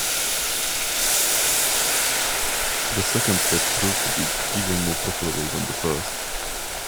The second trip proved to be even more profitable than the first.